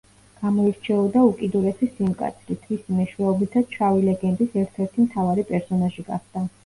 გამოირჩეოდა უკიდურესი სიმკაცრით, რისი მეშვეობითაც „შავი ლეგენდის“ ერთ-ერთი მთავარი პერსონაჟი გახდა.